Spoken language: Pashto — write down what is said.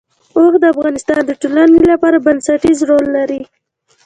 اوښ د افغانستان د ټولنې لپاره بنسټيز رول لري.